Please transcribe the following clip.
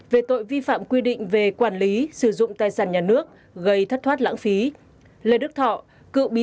về tội vi phạm quy định về quản lý sử dụng tài sản nhà nước gây thất thoát lãng phí